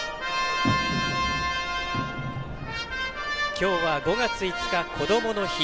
きょうは５月５日こどもの日。